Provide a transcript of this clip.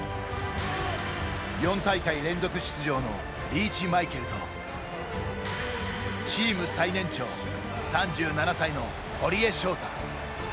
４大会連続出場のリーチマイケルとチーム最年長３７歳の堀江翔太。